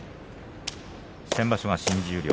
先場所が新十両。